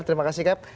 terima kasih kap